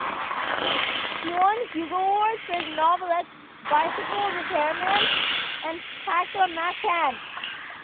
He won Hugo Awards for his novelettes "Bicycle Repairman" and "Taklamakan".